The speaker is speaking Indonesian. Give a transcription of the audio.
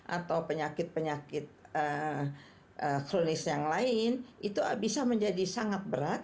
atau penyakit penyakit kronis yang lain itu bisa menjadi sangat berat